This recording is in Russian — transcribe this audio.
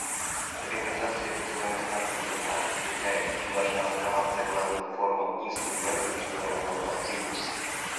Организация Объединенных Наций была, является и должна оставаться главным форумом и инструментом международного посредничества.